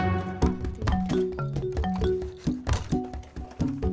mau langsung ke rumahnya tati